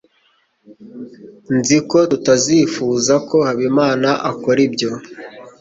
Nzi ko tutazifuza ko Habimana akora ibyo.